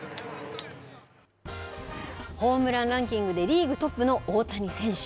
ホームランランキングでリーグトップの大谷選手。